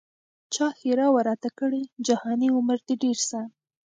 چا ښرا وه راته کړې جهاني عمر دي ډېر سه